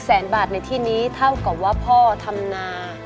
แสนบาทในที่นี้เท่ากับว่าพ่อทำนา